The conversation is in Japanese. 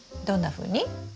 どんなふうに？